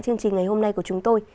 chương trình ngày hôm nay của chúng tôi